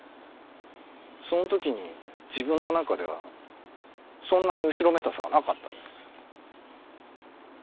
その時に自分の中ではそんなに後ろめたさはなかったんですよ。